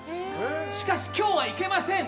しかし今日はいけません。